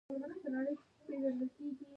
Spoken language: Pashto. خپل ذهن آرامول د ژوند جوړونې برخه ده.